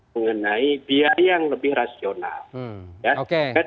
mengenai biaya yang lebih rasional